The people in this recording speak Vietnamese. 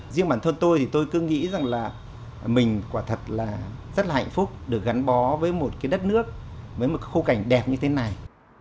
riêng bản thân tôi thì tôi cứ nghĩ rằng là mình quả thật là rất là hạnh phúc được gắn bó với một cái đất nước với một khu cảnh đẹp như thế này